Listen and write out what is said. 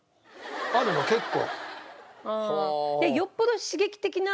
あるの結構。